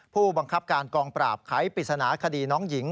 ผู้บังคับการกองปราบไขปริศนาคดีน้องหญิง